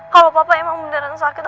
kalau papa emang beneran sakit